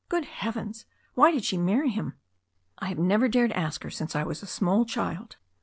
Good heavens ! Why did she marry him? I have never dared ask her since I was a small child."